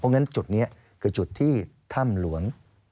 งั้นจุดนี้คือจุดที่ถ้ำหลวง